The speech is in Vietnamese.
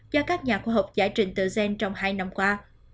do các nhà khoa học giải trình tự gen trong hai năm qua